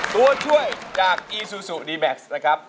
ตัวช่วยจากอีซูซูดีแม็กซ์นะครับ